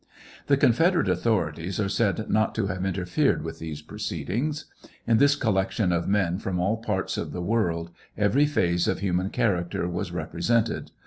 The confederate authorities are said not to have interfered with these proceedings. In this collection of men from all parts of the ^orld, every phase of human character was repre sented.